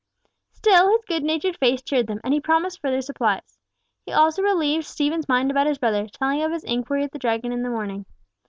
Still his good natured face cheered them, and he promised further supplies. He also relieved Stephen's mind about his brother, telling of his inquiry at the Dragon in the morning.